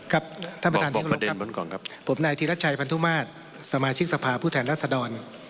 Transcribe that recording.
ครับท่านประธานที่รัฐชัยพันธุมาตรสมาชิกสรรพาผู้แทนรัฐศาล